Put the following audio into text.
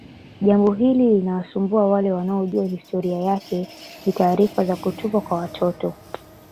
Jambo hili linawasumbua wale wanaojua historia yake ni taarifa za kutupwa kwa watoto